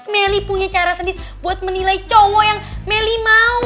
melly punya cara sendiri buat menilai cowok yang melly mau